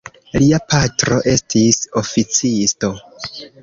Lia patro estis oficisto.